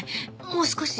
もう少し。